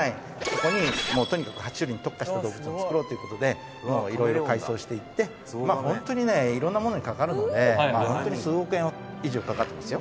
ここにもうとにかくは虫類に特化した動物園をつくろうと色々改装していってまあホントにね色んなものにかかるのでホントに数億円以上かかってますよ